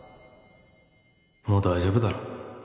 もう大丈夫だろ